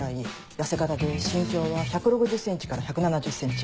痩せ形で身長は１６０ｃｍから１７０ｃｍ。